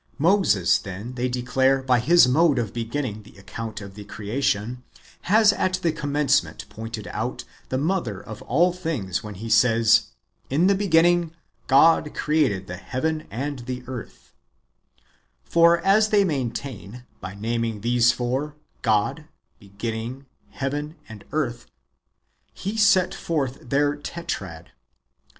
!Moses, then, they declare, by his mode of beginning the account of the creation, has at the commencement j)oiiited out the mother of all things when he says, " In the beginning God created the heaven and the earth ;"^ for, as they maintain, by naming these four — God, beginning, heaven, and earth, — he set forth their Tetrad.